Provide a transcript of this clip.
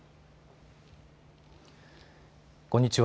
こんにちは。